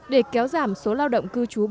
để kéo giảm số lao động cư trú